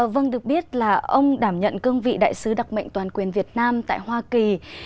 vâng được biết là ông đảm nhận cương vị đại sứ đặc mệnh toàn quyền việt nam tại hoa kỳ